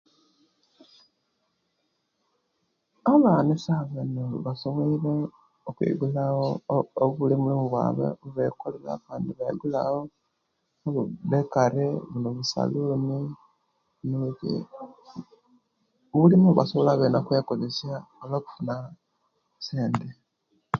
Abana esawa eno basobweire okwigulawo obu obulimu limu bwaiwe bwekolera abandi baigulawo obubekare, buno obusaluni noooji obulimu bwebasobola bene okwekozesia abena olwokufuna esente